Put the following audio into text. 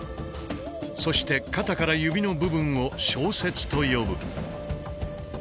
そして肩から指の部分を「梢節」と呼ぶ。